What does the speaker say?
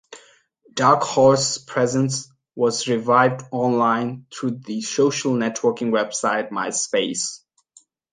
"Dark Horse Presents" was revived online through the social networking website MySpace.